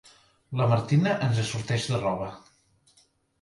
La Martina ens assorteix de roba.